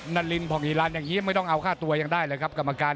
นารินผ่องอีรันอย่างนี้ไม่ต้องเอาค่าตัวยังได้เลยครับกรรมการ